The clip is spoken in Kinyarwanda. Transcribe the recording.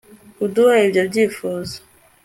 kuduha ibyo twifuza